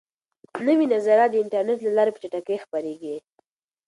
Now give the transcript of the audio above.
نوي نظریات د انټرنیټ له لارې په چټکۍ خپریږي.